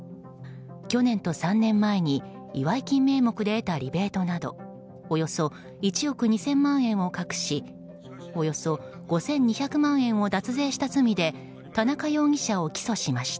去年と３年前に祝い金名目で得たリベートなどおよそ１億２０００万円を隠しおよそ５２００万円を脱税した罪で田中容疑者を起訴しました。